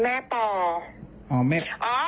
แม่ป่ออ๋อแม่